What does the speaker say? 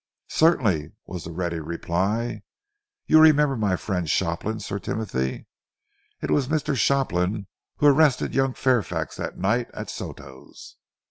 "Certainly," was the ready reply. "You remember my friend Shopland, Sir Timothy? It was Mr. Shopland who arrested young Fairfax that night at Soto's."